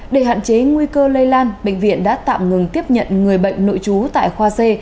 để hạn chế nguy cơ lây lan bệnh viện đã tạm ngừng tiếp nhận người bệnh nội trú tại khoa c